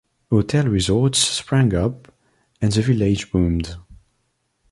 Hotel resorts sprang up, and the village boomed.